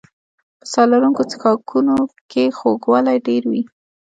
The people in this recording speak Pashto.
په ساه لرونکو څښاکونو کې خوږوالی ډېر وي.